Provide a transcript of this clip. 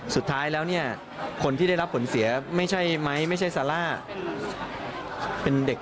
สุดท้ายแล้วเนี่ยคนที่ได้รับผลเสียไม่ใช่ไม้ไม่ใช่ซาร่าเป็นเด็ก